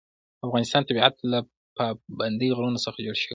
د افغانستان طبیعت له پابندی غرونه څخه جوړ شوی دی.